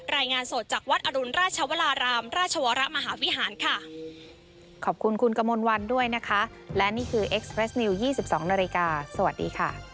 โปรดติดตามตอนต่อไป